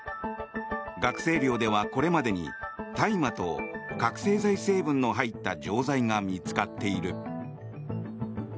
学生寮ではこれまでに、大麻と覚醒剤成分の入った錠剤が見つかっている。